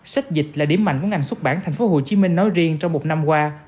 sách dịch là điểm mạnh của ngành xuất bản thành phố hồ chí minh nói riêng trong một năm qua